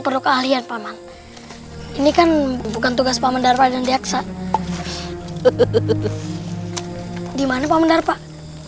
perlu keahlian paman ini kan bukan tugas pak mendarat dan diaksa hehehe gimana pak mendarat